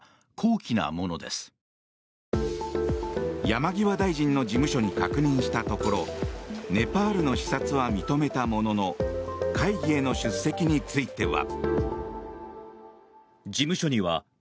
山際大臣の事務所に確認したところネパールの視察は認めたものの会議への出席については。